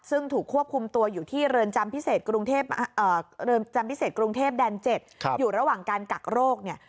ซึ่งถูกควบคุมตัวอยู่ที่เรือนจำพิเศษกรุงเทพดัน๗อยู่ระหว่างการกักโรคเนี่ย